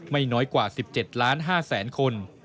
ไม่น้อยกว่า๑๗ล้าน๕แสนคน